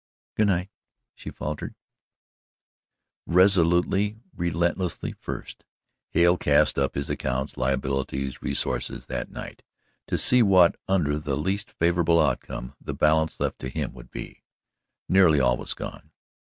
"Good night," she faltered. Resolutely, relentlessly, first, Hale cast up his accounts, liabilities, resources, that night, to see what, under the least favourable outcome, the balance left to him would be. Nearly all was gone.